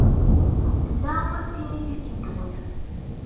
Tella tin i d-iteddun.